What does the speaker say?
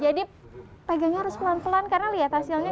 jadi pegangnya harus pelan pelan karena liat hasilnya